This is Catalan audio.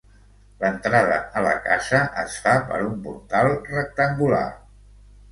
L'entrada a la casa es fa per un portal rectangular.